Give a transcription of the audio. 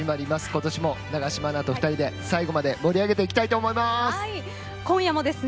今年も永島アナと２人で最後まで盛り上げていきたいと思います。